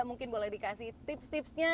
mungkin boleh dikasih tips tipsnya